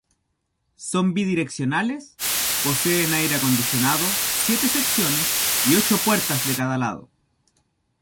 Son bidireccionales, poseen aire acondicionado, siete secciones y ocho puertas de cada lado.